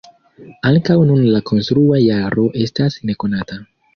Ankaŭ nun la konstrua jaro estas nekonata.